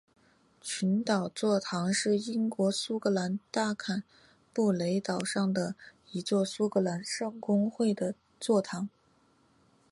群岛座堂是英国苏格兰大坎布雷岛上的一座苏格兰圣公会的座堂。